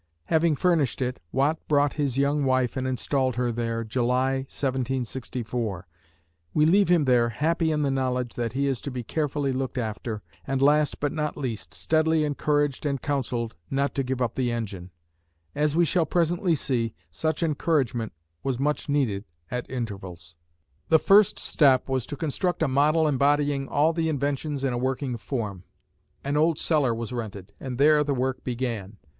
Having furnished it, Watt brought his young wife and installed her there, July, 1764. We leave him there, happy in the knowledge that he is to be carefully looked after, and, last but not least, steadily encouraged and counselled not to give up the engine. As we shall presently see, such encouragement was much needed at intervals. The first step was to construct a model embodying all the inventions in a working form. An old cellar was rented, and there the work began.